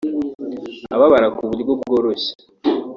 ababara ku buryo bworoshye